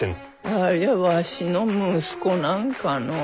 ありゃわしの息子なんかのう？